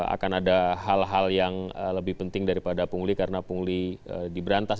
akan ada hal hal yang lebih penting daripada pungli karena pungli diberantas